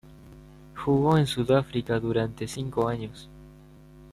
Jugó en Sudáfrica durante cinco años.